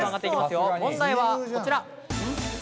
問題はこちら。